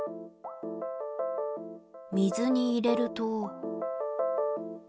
水に入れると。